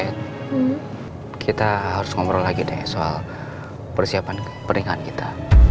oke kita harus ngobrol lagi deh soal persiapan pernikahan kita